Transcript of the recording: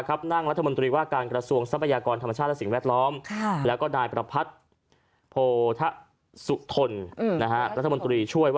ขะแดดที่แรกธิภาคชาติไทยพัฒนาเนี่ย